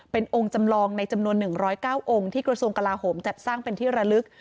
เป็นองค์จำลองในจำนวน๑๐๙องค์ที่กระทรวงกลาโหมจัดสร้างเป็นที่ระลึก